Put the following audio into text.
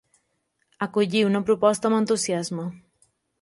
Acollir una proposta amb entusiasme.